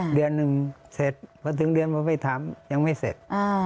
เดือนหนึ่งเสร็จพอถึงเดือนผมไปถามยังไม่เสร็จ